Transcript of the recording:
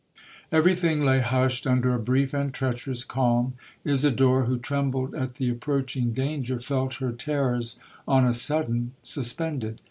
'Every thing lay hushed under a brief and treacherous calm. Isidora, who trembled at the approaching danger, felt her terrors on a sudden suspended.